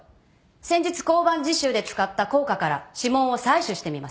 先日交番実習で使った硬貨から指紋を採取してみます。